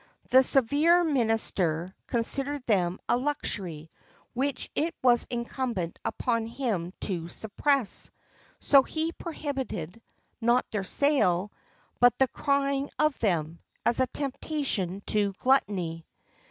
The severe minister considered them a luxury, which it was incumbent upon him to suppress; so he prohibited, not their sale, but the crying of them, as a temptation to gluttony.